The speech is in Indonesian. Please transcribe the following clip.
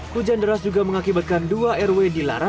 hujan deras juga mengakibatkan dua rw dilarang